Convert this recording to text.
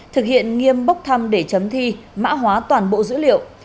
thực hiện nghiêm bốc thăm để chấm thi mã hóa toàn bộ dữ liệu